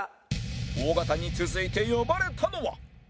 尾形に続いて呼ばれたのは